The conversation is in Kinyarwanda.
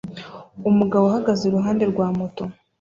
Umugabo uhagaze iruhande rwa moto